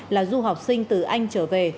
là du học sinh từ anh trở về